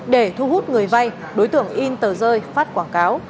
để thu hút người vay đối tượng in tờ rơi phát quảng cáo